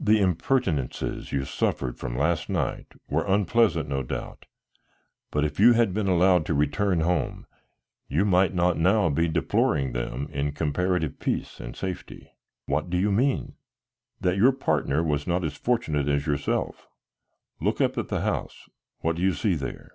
The impertinences you suffered from last night were unpleasant no doubt, but if you had been allowed to return home, you might not now be deploring them in comparative peace and safety." "What do you mean?" "That your partner was not as fortunate as yourself. Look up at the house; what do you see there?"